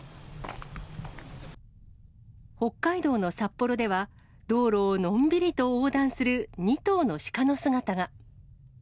北海道の札幌では、道路をのんびりと横断する２頭の鹿の姿が。